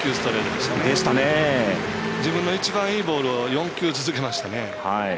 自分の一番いいボールを４球続けましたね。